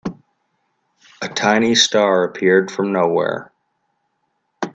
A tiny star appeared from nowhere.